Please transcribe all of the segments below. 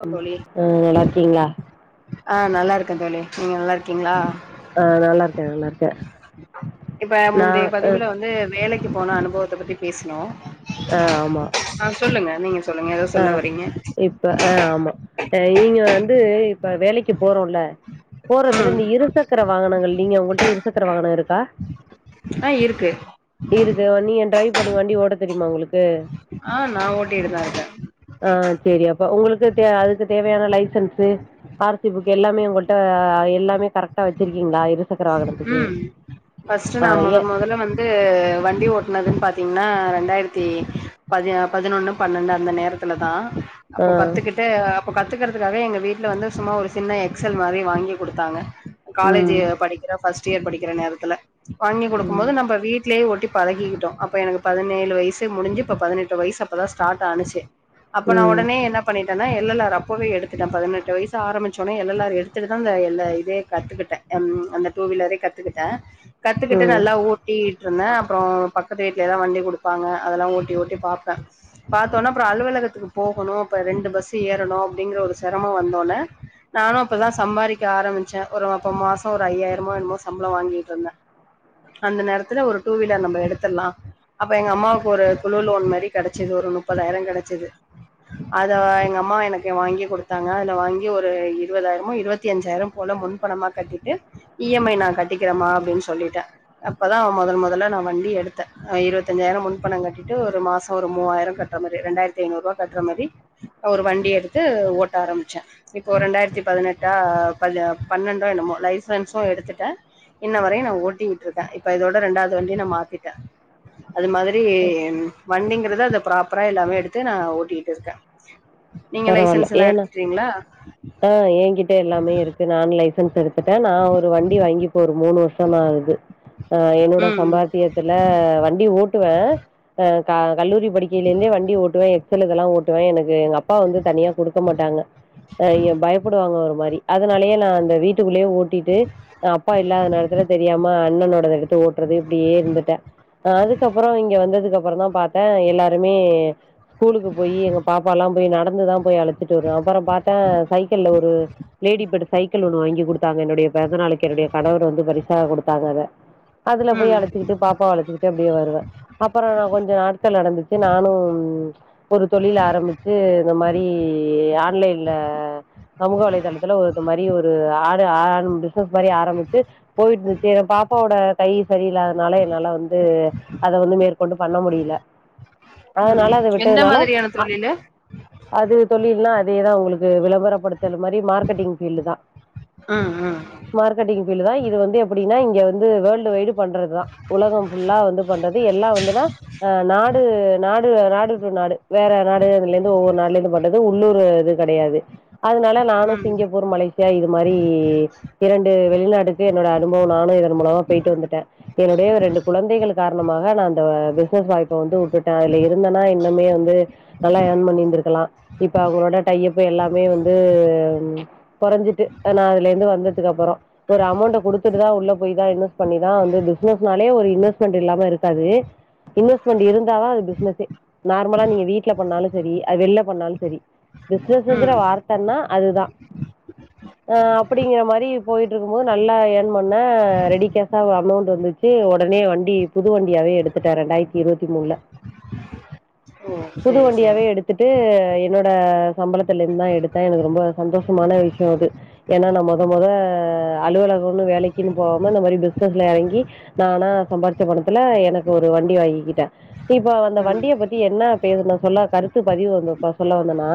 Come ம் தோழி நல்லர்க்கீங்ளா ஆ நல்லாருக்கன் தோளி நீங்க நல்லாருக் கிங்ளா ஆ நல்லா இருக்கே நல்லா இருக்கே இப்ப நா முந்ரைய ஆ பதிவுல வந்து வேலக்கி போன அனுபவத்த பத்தி பேஸ்ணோ ஆ ஆமா ஆஹ் சொல்லுங்க நீங்க சொல்லுங ஏதோ சொல்ல வரீங்க அ ஆமா ஈங்க வந்து ப்ப வேலக்கி போறோல போறதுல ம் இந்த இருசக்கர வாகனங்கள் நீங்க உங்கள் ட்ட இருசக்கர வாகன இருக்கா ஆ இருக்கு இருது நீ என் ட்ரைவ் பண்ணி வண்டி ஓட்ட தெரியுமா ஒங்ளுக்கு ஆஹ் நான் ஓட்டிருதா ஆஹ் சேரி அப்ப ஒங்ளுக்கு தே அதுக்கு தேவயான லைசன்ஸு ஆர்சி புக் எல்லாமே உங்கள்ட்ட எல்லாமே கரக்டா வெச்சிருக்கீங்ளா இரு ம் ஃபஸ்டு நா ஏ மொதல் மொதல்ல வந்து வண்டி ஓட்னதுன் பாத் திங்னா ரெண்டாயிர்த்தி பதி பதினொன்னு பன்னண்டு அந்த நேரத்துல தான் ஆ அப்போ கத்துக்கிட்டு இப்போ கத்துக்கறதுக்காகவே எங்க வீட்ல வந்து சும்மா ஒரு சின்ன எக்ஸல் மாரி வாங்கி குடுத்தாங்க காலேஜு ம் படி ஃபஸ்ட் இயர் படிக்கிற நேரத்துல வாங்கி ம் குடுக்கும்போது நம்ப வீட்லயே ஓட்டி பழகிகிட்டோம் அப்ப எனக்கு பதுனேழோ னேழு வயசு முடிஞ்சு இப்ப பதினெட்டு வயசு அப்போ தான் ஸ்டாட் ஆனுச்சு அப்ப நா ம் ஒடனே என்ன பண்ணிட்டேனா எல் எல் ஆர் அப்போவே எடுத்துட்டேன் பதுனெட்டு வயசு ஆரமிச்சோனே எல் எல் ஆர் எடுத்துட்டுதான் அந்த ல்ல இதே கத்துக்கிட்டேன் எம் அந்த டூவீலரே கத்துக்கிட்டே கத்துக்கிட்டு ம் நல்லா ஓட்டிட்ருந்தேன் அப்றோம் பக்கத்து வீட்லேலாம் வண்டி குடுப்பாங்க அதல்லாம் ஓட்டி ஓட்டி பாப்பேன் பாத்தோனா அப்றோ அலுவலகத்துக்கு போகணும் அப்ப ரெண்டு பஸ்ஸு ஏறணும் அப்டிங்குற ஒரு செரமோ வந்தோனே நானும் அப்பதான் சம்பாரிக்க ஆரமிச்சன் ஒரு அப்ப மாசம் ஒரு ஐயாய யம்மோ என்மோ சம்ளோ வாங்கிட்டு இருந்தே அந்த நேரத்துல ஒரு டூவீலர் நம்ப எடுத்தர்லாம் அப்ப எங்க அம்மாவுக்கு ஒரு குழு லோன் மாரி கெடச்சிது ஒரு முப்பதாயிரம் கெடச்சிது அத எங்க அம்மா எனக்கு வாங்கி குடுத்தாங்க அதுல வாங்கி ஒரு இருவதாயிரமோ இருவத்தி அஞ்சாயிரம் போல முன்பணமா கட்டிட்டு இ எம் ஐ நா கட்டிக்கிறமா அப்டின் சொல்லிட்டேன் அப்பதான் மொதல் மொதல்ல நா வண்டி எடுத்தேன் இருவத்தஞ்சாயிரம் முன்பணம் கட்டிட்டு ஒரு மாசம் ஒரு மூவாயிரம் கட்ற மாரி ரெண்டாயிரத்தி ஐநூறுவா கட்ற மாரி ஒரு வண்டி எடுத்து ஓட்ட ஆரமிச்சேன் இப்போ ரெண்டாயிரத்தி பதுனெட்டா பலு பன்னண்டோ என்னமோ லைசன்ஸ் சு எடுத்துட்டேன் இன்ன வரயும் நா ஓட்டிட்டு இருக்கேன் இப்ப இதோட ரெண்டாவது வண்டி நா மாத்திட்டேன் அது மாதிரி வண்டிங்குறத அத ப்ராப்பரா எல்லாமே எடுத்து நா ஓட்டிட்டு இருக்கேன் நீங்க பரவால்ல லைசன்ஸ் எல்லாம் எடுத்துட்டீங்ளா ட எல்லாமே இருக்கு நானே லைசன்ஸ் எடுத் துட்டே நா ஒரு வண்டி வாங்கி இப்ப ஒரு மூணு வருஷம் ஆகுது அஹ் என்னோட ம் சம்பாத்தியத்துல வண்டி ஓட்டுவேன் அஹ் [unintelligible] கல்லூரி படிக்கையிலேந்தே வண்டி ஓட்டுவே சிலதலாம் ஓட்டுவேன் எனக்கு எங் அப் பா வந்து தனியா குடுக்க மாட்டாங்க அ ய பயப்புடுவாங்க ஒரு மாரி அதுனாலயே நா அந்த வீட்டுக்குள்ளேயே ஓட் டிட்டு அப்பா இல்லாத நேரத்துல தெரியாம அண்ணனோடத எடுத்து ஓட்றது இப்டியே இருந்துட்டேன் அதுக்கப்பறம் இங்க வந்ததுக்கு அப்பறோ தான் பாத்தே எல்லாருமே ஸ்கூலுக்கு போயி எங்க பாப்பாலாம் போய் நடந்துதான் போய் அழச்சிட்டு வருவே அப்பறம் பாத்தா சைக்கிள்ல ஒரு லேடி பெட் சைக்கிள் ஒன்னு வாங்கி குடுத்தாங்க என்னுடைய பெறந்தநாளைக்கு என்னுடைய கணவர் வந்து பரிசாக குடுத்தாங்க அத அதுல ம் போய் அழைச்சுக்கிட்டு பாப்பாவ அழைச்சுக்கிட்டு அப்டியே வருவே அப்பறோ நா கொஞ்சோ நாட்கள் நடந்துச்சு நானு ஒரு தொழில் ஆரம்பிச் சு இந்த மாரி ஆன்லைன்ல சமூக வலைதளத்துல ஒரு இந்த மாரி ஒரு ஆடு ஆரம்பிச் [unintelligible] மாரி ஆரம்பிச்சு போயிட்டு இருந்துச்சு என் பாப்பாவோட கை சரியில்லாதனால என்னால வந்து அத வந்து மேற்கொண்டு பண்ண முடில ம் அதனால அத எந்த விட்டதுனால மாதிரியான அ தொழிலு அது தொழில்னா அதேதா உங்களுக் கு விளம்பரப்படுத் தல் மாதிரி மார்க்கெட்டிங் பீல்டு தா ம் ம் மார்க்கெட்டிங் பீல்டு தா இது வந்து எப்டின்னா இங்க வந் வந்து வேர்ல்டு வயடு பண்றது தா உலக ஃபுல்லா வந்து பண்றது எல்லா வந்துனா நாடு நாடு நாடு டு நாடு வேற நாடு லிருந்து ஒவ்வொரு நாளிலே பண்றது உள்ளூர் இது க கெடையாது அதனால நானு ம் சிங்கப்பூர் மலேசியா இது மாரி இரண்டு வெளிநாட்டுக்கு என்னோட அனுபவொனால இதன் மூலமா போயிட்டு வந்துட்டே என்னுடைய ரெண்டு குழந்தைகள் காரணமாக நா அந்த பிசினஸ் வாய்ப்ப வந்து விட்டுட்டே இல்ல இருந்தன்னா இன்னுமே வந்து நல்லா ஏர்ன் பண்ணிருந்திருக்கலா இப்ப அவங்களோட டையப்ப எல்லாமே வந்து கொறைஞ்சிட்டு நா அதுல இருந்து வந்ததுக்கு அப்புற ஒரு அமௌண்ட கொடுத்துட்டுதா உள்ள போய் தா இன்வெஸ்ட் பண்ணிதா வந்து பிசினஸ்னாலே ஒரு இன்வெஸ்ட்மெண்ட் இல்லாம இருக்காது இன்வெஸ்ட்மெண்ட் இருந்தாவா அது பிசினஸே நார்மலா நீங்க வீட் ல பண்ணாலு செரி வெ ளில பண்ணாலு செரி பிசினஸ்ங்கிற ம் வார்த்தன்னா அதுதா அஹ் அப்டிங்கிற மாரி போயிட்ருக்கும் போது நல்லா எந் பண்ணே ரெடி கேசா அமௌண்ட் வந்துச்சு உடனே வண்டி புது வண்டியாவே எடுத்துட்டே இரண்டாயிரத்தி இருபத்தி மூண்ல ஓ சேரி புதுவண்டியாவே சேரி எடுத்துட்டு என்னோட சம்பளத்துல இருந்தா எடுத்தே எனக்கு ரொம்ப சந்தோஷமான விஷயொ அது ஏன்னா நா மொத மொத அலுவலகம்ன்னு வேலைக்குன்னு போகாம இந்த மாரி பிசினஸ்ல எறங்கி நானா சம்பாரிச்ச பணத்துல எனக்கு ஒரு வண்டி வாங்கிக்கிட்டே இப்ப அந்த ம் வண்டிய பத்தி என்ன செய்தி ஒன்னு சொல்ல கருத்து பதிவு வந்த சொல்ல வந்தன்னா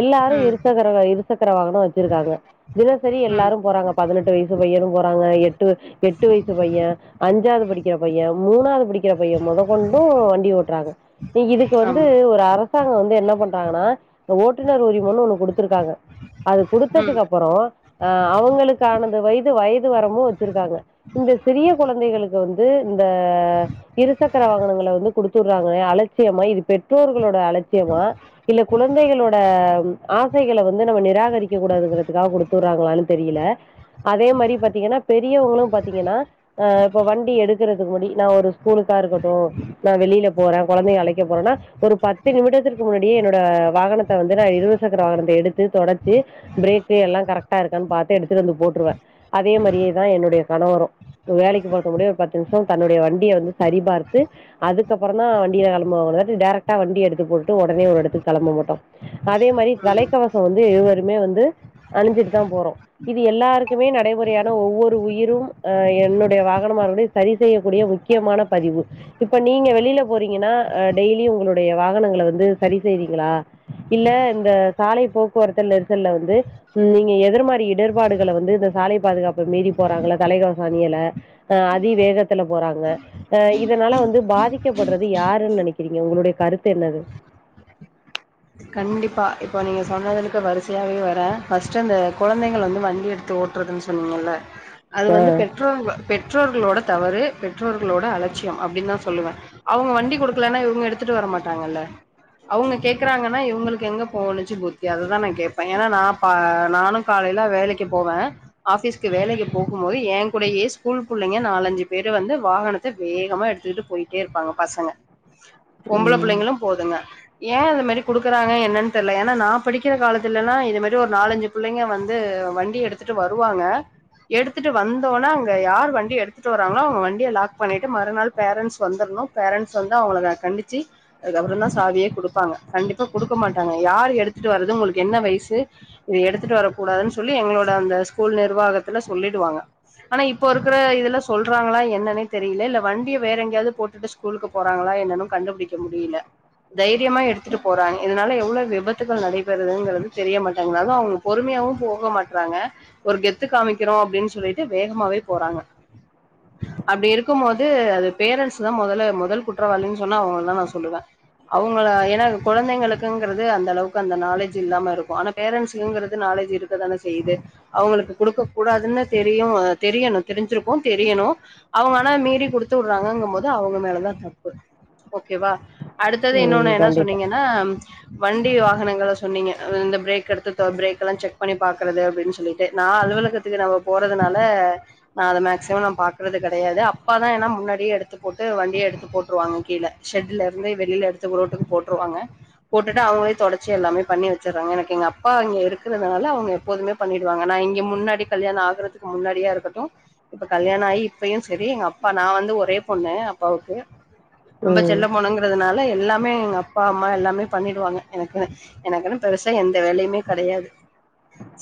எல்லாரு ம் இருசக்கர இரு சக்கர வாகனொ வெச்சிருக்காங்க தினசரி ம் எல்லாரு போறாங்க பதினெட்டு வயசு பையனு போறாங்க எட்டு எட்டு வயசு பைய அஞ்சாவது படிக்கிற பைய மூணாவது படிக்கிற பைய முதற்கொண்டு வண்டி ஓட்டுறாங்க நீங்க இப்ப வந்து ஆமா ஒரு அ ரசாங்க வந்து என்ன பண்றாங்கன்னா இந்த ஓட்டுநர் உரிமொன்னு ஒண்ணு குடுத்துருக்காங்க அது ம் குடுத்ததுக்கு அப்புறம் அஹ் அவங்களுக்கானது வயது வயது வரம்பும் வச்சிருக்காங்க இந்த சிறிய குழந்தைகளுக்கு வந்து இந்த இருசக்கர வாகனங்களை வந்து குடுத்துடுறாங்கள அலட்சியமா இ பெற்றோர்களோட அலட்சியமா இல்ல குழந்தைகளோட ஆசைகளை வந்து நம்ம நிராகரிக்க கூடாதுங்கிறதுக்காக கொடுத்துடறாங்களான்னு தெரியல அதே மாரி பாத்தீங்கன்னா பெரியவங்களும் பாத்தீங்கன்னாஹ் இப்ப வண்டி எடுக்கிறதுக்கு முன்னடி நான் ஒரு ஸ்கூலுக்கா இருக்கட்டும் நான் வெளியில போறேன் குழந்தை அழைக்க போறேன்னா ஒரு பத்து நிமிடத்துற்கு முன்னாடியே என்னோட வாகனத்தை வந்து நான் இரு சக்கர வாகனத்தை எடுத்து தொடச்சு பிரேக் எல்லாம் கரெக்டா இருக்கான்னு பார்த்து எடுத்துட்டு வந்து போட்டுருவேன் அதே மாதிரியேதான் என்னுடைய கணவரம் வேலைக்கு போறதுக்கு முன்னாடி ஒரு பத்து நிமிஷம் தன்னுடைய வண்டிய வந்து சரி பார்த்து அதுக்கப்புறம் தான் வண்டியில கிளம்பங்க டைரக்டா வண்டி எடுத்து போட்டு உடனே ஓரு இடத்துக்கு கிளம்ப மாட்டோம் அதே மாரி ம் தலைக்கவசம்மே இருவருமே அணிஞ்சுட்டுதா போறோம் எல்லாருக்குமே நடைமுறையான இது ஒவ்வொரு உயிரும் என்னுடைய வாகனமா சரி செய்யக்கூடிய முக்கியமான பதிவு இப்ப நீ வெளிய போறீங்கன்னா டெய்லிஉங்களுடைய வாகனங்களை வந்து சரி செய்வீங்களா இல்ல இந்த சாலை போக்குவரத்து நெரிசல் வந்து நீங்க எதிர் மாரி இடர்பாடுகளை வந்து இந்த சாலை பாதுகாப்பை மீறி போறாங்கள தலைகவசணியல அதி வேகத்துல போறாங்க இதனால வந்து பாதிக்கப்படுறது யாருன்னு நினைக்க ங்க உங்களுடைய கருத்து என்னது கண்டிப்பா இப்போ நீங்க சொன்னதுக்கு வரிசையாவே வரே ஃபஸ்ட்டு அந்த கொழந்தைகள வந்து வண்டி எடுத்து ஓட்றதுன்னு சொல்னுல அது ஆ. வந்து பெட்ரோல பெற்றோர்களோட தவறு பெற்றோர்களோட அலட்சியம் அப்டின்னு தா சொல்லுவே அவங்க வண்டி குடுக்கலனா இவங்க எடுத்துட்டு வர மாட்டாங்கள அவுங்க கேக்றாங்க ஆனா இவுங்ளுக்கு எங்க போனச்சு புத்தி அததா நா கேக்பே ஏன்னா நா பா நானு காலையில வேலைக்கு போவே ஆபிஸ்க்கு வேலைக்கு போகும் போது ஏ கூடையே ஸ்கூல் புள்ளைங்க நாலஞ்சு பேரு வந்து வாகனத்த வேகமா எடுத்துகிட்டு போயிட்டே இருப்பாங்க பசங்க பொம்பள ம். புள்ளைங்களு போதுங்க ஏ அந்த மாரி குடுக்குறாங்க என்னன்னு தெர்ல ஏன்னா நா படிக்கிற காலத்துலலா இது மாரி ஒரு நாலஞ்சு புள்ளைங்க வந்து வண்டி எடுத்துட்டு வருவாங்க எடுத்துட்டு வந்தோன அங்க யார் வண்டி எடுத்துட்டு வராங்களோ அவங்க வண்டிய லாக் பண்ணிட்டு மறுநள் பேரண்ட்ஸ் வந்தர்ணு பேரண்ட்ஸ் வந்து அவங்கள கண்டிச்சி அதுக்கப்றோ தா சாவியே குடுப்பாங்க கண்டிப்பா குடுக்க மாட்டாங்க யார் எடுத்துட்டு வரது உங்ளுக்கு என்ன வயசு இத எடுத்துட்டு வரக்கூடாதுன்னு சொல்லி எங்களோட அந்த ஸ்கூல் நிர்வாகத்துல சொல்லிடுவாங்க ஆனா இப்போ இருக்குற இதுல சொல்றாங்களா என்னன்னே தெரியல இல்ல வண்டிய வேற எங்கயாது போட்டுட்டு ஸ்கூலுக்கு போறாங்களா என்னனு கண்டுபுடிக்க முடியல தைரியமா எடுத் த்து போறங்க இதனால எவ்வளவு விபத்துகள் நடைபெறுதுங்கிறது தெரிய மாட்டேங்து அது அவங்க பொறுமையாவு போக மாட்றாங்க ஒரு கெத்து காமிக்கிறோ அப்டின்னு சொல்லிட்டு வேகமாவே போறாங்க அப்டி இருக்கும் போது அது பேரண்ட்ஸ் தா மொதல மொதல் குற்றவாளினு சொன்னா அவங்களதா நா சொல்லுவே அவங்கள ஏன்னா குழந்தைங்களுக்குங்கிறது அந்த அளவுக்கு அந்த நாலேஜ் இல்லாம இருக்கும் ஆனா பேரண்ட்ஸு இவுங்ளுக்கு நாலேஜ் இருக்க தானே செய்யுது அவுங்ளுக்கு குடுக்க கூடாதுன்னு தெரியு தெரியணு தெரிஞ்சிருக்கு தெரியணு அவங்க ஆனா மீறி குடுத்து வுடுறாங்கங்கும் போது அவங்க மேலதா தப்பு ஓகேவா அடுத்தது ம். என்னொன்னு என்னா கண்டிப்பா. சொன்னீங்கன்னா வண்டி வாகனங்கள சொன்னீங்க இந்த பிரேக் எடுத்து பிரேக் எல்லா செக் பண்ணி பாக்குறது அப்டின்னு சொல்லிட்டு நா அலுவலகத்துக்கு நம்ப போறதுனால நா அத மேக்சிமம் ந பாக்குறது கெடையாது அப்பா தா ஏன்னா முன்னாடியே எடுத்து போட்டு வண்டியே எடுத்து போட்டுருவாங்க கீழ ஷெட்ல இருந்து வெளியில எடுத்து ரோட்டுக்கு போட்டுருவாங்க போட்டுட்டு அவங்களே தொடச்சி எல்லாமே பண்ணி வச்சர்றாங்க எனக்கு எங்க அப்பா இங்க இருக்கறதுனால அவங்க எப்போதுமே பண்ணிடுவாங்க நா இங்க முன்னாடி கல்யாணோ ஆகறதுக்கு முன்னாடியா இருக்கட்டும் இப்ப கல்யாணோ ஆகி இப்பயு சரி எங்க அப்பா நா வந்து ஒரே பொண்ணு அப்பாவுக்கு ரொம்ப ம். செல்ல பொண்ணுங்கறதுனால எல்லாமே எங்க அப் அப்பா அம்மா எல்லாமே பண்ணிடுவாங்க எனக்குன்னு எனக்குன்னு பெருசா எந்த வேலையுமே கெடையாது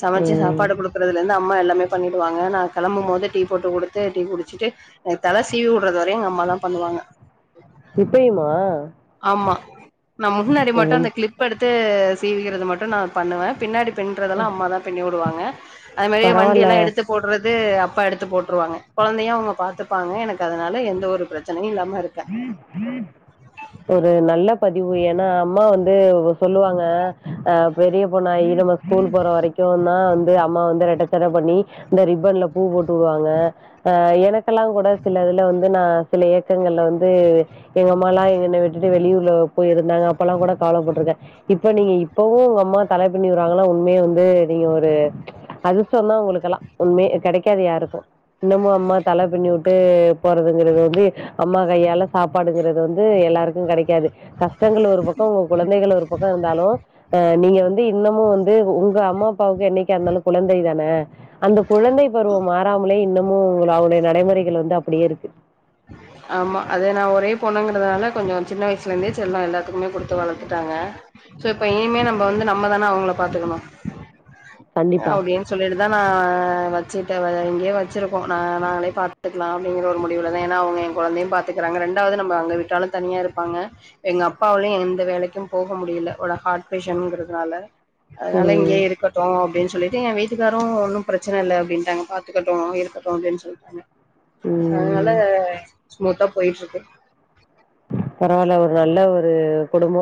சமைச்சு ம். சாப்பாடு குடுக்கறதுல இருந்து அம்மா எல்லாமே பண்ணிடுவாங்க நா கெளம்பு போது டீ போட்டு குடுத்து டீ குடிச்சிட்டு எனக்கு தல சீவி வுடுறது வரையு எங்க அம்மாதா பண்ணுவாங்க இப்பையுமா ஆமா நா முன்னாடி மட்டு அந்த கிளிப்ப எடுத்து சீவிக்கிறது மட்டு நா பண்ணுவே பின்னாடி பிண்றதெல்லா அம்மா தா பிண்ணி வுடுவாங்க அது மாரியே வண்டி பரவால்ல எல்லா எடுத்து போடுறது அப்பா எடுத்து போடு வுட்ருவாங்க கொழந்தையு அவங்க பாத்துப்பாங்க எனக்கு அதனால எந்த ஒரு பிரச்சனையு இல்ல ஒரு நல்ல பதிவு ஏனா அம்மா வந்து வந்து சொல்லுவாங்க ஆஹ் பெரிய பொண்ணாயி நம்ம ஸ்கூல் போற வரைக்கு தா வந் அம்மா வந்து ரட்டச்சட பண்ணி இந்த ரிப்பன்ல பூ போட் போவாங்க ஹா என் எனக்கெல்லா கூட சில அதுல வந்து நா சில இயக்கங்கள்ல வந் ஏ எங்கமாலா எங்கள விட்டு வெளியூ போய் இருந்தாங்க அப்பெல்லா கூட கவலப்பட்ருக்கே இப்ப நீங்க இப்பவு உங்க அம்மா தல பிண்ணி வுடுறாங்கன்னா உண்மையா வந்து நீங்க ஒரு அதிர்ஷ்டம் தா உங்ளுக்குக்கெல்லா உண்மே கெடைக்காது யாருக்கு இன்னமு அம்மா தல பிண்ணியுட் போறதுகிறது வந்து அம்மா அதா எல சாப்பாடுங்கிறது வந்து எல்லாருக்கு கெடைக்காது கஷ்டங்கள் ஒரு பக்கோ உங்க குழந்தைகள் ஒரு பக்கோ இருந்தாலு அ நீங்க வந்து இன்னமு வந்து உங்க அம்மா அப்பாவுக்கு என்னைக்கா இருந்தாலு குழந்தை தான அந்த குழந்தை பருவம் மாறாமலே இன்னு மோ அவளுடைய நடைமுறைகள் வந்து அப்டியே இருக்கு ஆமா அதே நா ஒரே பொண்ணுங்கறதுனால கொஞ்சோ சின்ன வயசுலந்தே செல்லோ எல்லாத்துக்குமே குடுத்து வளத்துட்டாங்க சோ இப்ப இனிமே நம்ம வந்து நம்ம தானே அவங்கள பாத்துக்கணு கண்டிப்பா. அப்டின் சொல்லிடுது அதா நா வெச்சுட்ட இங்கேயே வெச்சிருக்கோ நா நாங்களே பாத்துக்கலா அப்டிங்கிற ஒரு முடிவுலதா ஏனா அவுங்க என் கொழந்தையும் பாத்துக்கிறாங்க ரெண்டாவது நம்ம அங்க விட்டாலு தனியா இருப்பாங்க எங்க அப்பாவாலயு எந்த வேலைக்கும் போக முடியல ஒரு ஹார்ட் பெஷன்ங்கிறதுனால அதனால ம். இங்கேயே இருக்கட்டு அப்டின் சொல்லிட்டு என் வீட்டுக்காரு ஒன்னும் பிரச்சன இல்ல அப்டின்ட்டாங்க பாத்துக்கட்டு இருக்கட்டு அப்டின்னு சொல்ட்டாங்க அதனால ம். ஸ்மூத்தா போயிட்டு இருக்கு பரவால ஒரு நல்ல ஒரு குடும்போ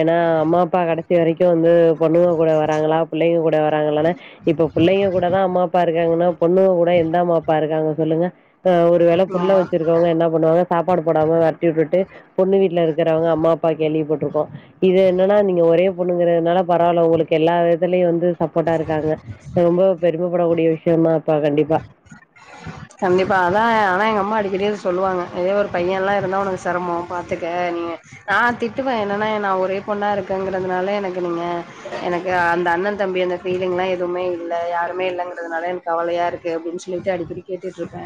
ஏனா அம்மா அப்பா கடை சி வரைக்கு வந்து பொண்ணுங்க கூட வராங்ளா புள்ளைங்க கூட வராங்ளானா இப்ப புள்ளைங்க கூடதா அம்மா அப்பா இருக்காங்கனா பொண்ணுங்க கூட எந்த அம்மா அப்பா இருக்காங்க சொல்லுங்க அ ஒரு வேல புள்ள ஆமா. வச்சிருக்கவங்க என்ன பண்ணுவாங்க சாப்பாடு போடாம வெரட்டி விட்டுட் டு பொண்ணு வீட்ல இருக்கறவங்க அம்மா அப்பா கேள்விப்பட்ருக் [unintelligible] இது என்னன்னா நீங்க ஒரே பொண்ணுங்கிறதுனால பரவால்ல உங்களுக்கு எல்லா இதுலயு வந்து சப்போட்டா இருக்காங்க ரொம்ப பெருமப்படக்கூடிய வி சியமா அப்பா கண்டி கண்டிப்பா அதா ஆனா எங்க அம்மா அடிக்கடி சொல்லுவாங்க அதே ஒரு பையன்லா இருந்தா உனக்கு செரமம் பாத்துக்க நீங்க நா திட்டுவே என்னன்னா நா ஒரே பொண்ணா இருக்கங்கிறதுனால எனக்கு நீங்க எனக்கு அந்த அண்ண தம்பி அந்த ஃபீலிங் எல்லா எதுமே இல்ல யாருமே இல்லங்கிறதுனால எனக்கு கவலையா இருக் கு அப்டின்னு சொல்லிட்டு அடிக்கடி கேட்டுட்ருப்பே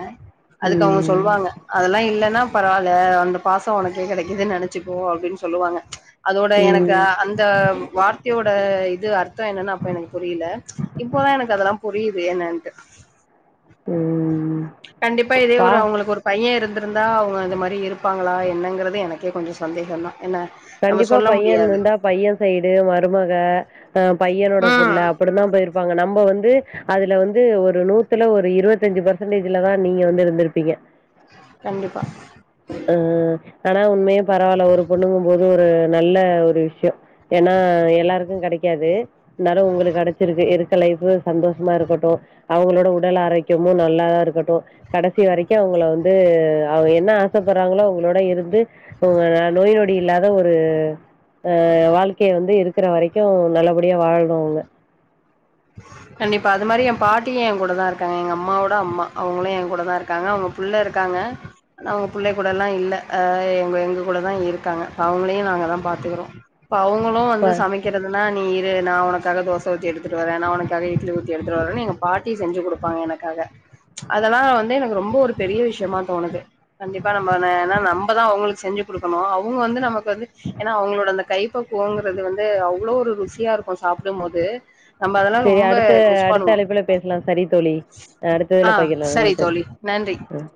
அதுக்கு அவங்க ம் சொல்லுவாங்க அதெல்லா இல்லைன்னா பரவால்ல அந்த பாசம் உனக்கே கெடைக்குதுன் நெனச்சுப்போ அப்டின் சொல்லுவாங்க அதோட எனக்கு ம் அந்த வார்த்தையோட இது அர்த்தம் என்னன்னு அப்போ எனக்கு புரியல இப்போதா எனக்கு அதெல்லா புரி யுது என்னன்ட்டு ம் கண்டிப்பா இதே ஒரு ப்பா அவுங்களுக்கு ஒரு பைய இருந்து இருந்தா அவங்க இந்த மாரி இருப்பாங்களா என்னங்கிறது எனக்கே கொஞ்ச சந்தேகந்தா என்ன நம்ம கண்டிப்பா சொல்ல பைய முடியாது இருந்தா பைய சைடு மருமக பையனோட ம் புருள்ள அப்டிதான் போயிருப்பாங்க நம்ம வந்அஹ் ந்து அதுல வந்து ஒரு நூத்துல ஒரு இருபத்தஞ்சு பர்சன்டேஜ்லதா நீங்க வந்து இருந்திருப்பீங்க கண்டிப்பா அ ஆனா உண்மையே பரவால ஒரு பொண்ணுங்க போது ஒரு நல்ல ஒரு விஷய ஏன்னா எல்லாருக்கு கெடைக் க்காது இருந்தாலு உங்களுக்கு கெடைச்சிருக்கு இருக்க லைப் சந்தோஷமா இருக்கட்டும் அவங்களோட உடல் ஆரோக்கியமு நல்லாதா இருக்கட்டு கடைசி வரைக்கு அவங்கள வந்து அவங்க என்ன ஆசைப்படுறாங்களோ அவங்களோட இருந்து அவங்க நோய் நோய அப்டி இல்லாத ஒரு ஆஹ் வாழ்க்கையை வந்து இருக்கு இருக்க வரைக்கு நல்லபடியா வாழனு அவங்க கண்டிப்பா அது மாரி ஏ பாட்டிய ஏ கூட தா இருக்காங்க எங்க அம்மாவோட அம்மா அவங்களு ஏ கூடதா இருக்காங்க அவங்க புள்ள இருக்காங்க அவங்க பிள்ளை கூடல்லா இல்ல அஹ் எங்க எங்க கூடதா இருக்காங்கப்ப அவங்களையு நாங்கதா பாத்துக்குறோ இப்ப அவங்களு வந்து சமைக்கிறது அ நீ இரு உனக்காக தோசை ஊத்தி எடுத்து நா உனக்காக இட்லி உத்தி ஏத்துட்டு வரே எங்க பாட்டி செஞ்சு கொடுப்பாங்க எனக்காக அதெல்லா வ எனக்கு ரொம்ப ஒரு பெரிய விஷயமா தோணுது கண்டிப்பா நம்ம ஏன்னா நம்மதா அவங்களுக்கு செஞ்சுடுக்கணு அவங்க வந்து நமக் வந்து ஏன்னா அவங்களோட அந்த கைப்பக்கு கோங்கிறது வந்து அவ்வளோ ஒரு ருசியா இருக்கு சாப்டு போது நம்ம அதெல்லா சரி ரொம்ப அடுத்த மிஸ் அடுத்த பண்ணுவோ அழைப்புல பேசலா சரி தோழி ஆ அடுத்ததுல பகிர்லா சரி கண்டிப்பா தோழி நன்றி ஆஹ்